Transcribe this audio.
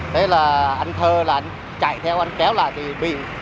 thế là anh thơ chạy theo anh kéo lại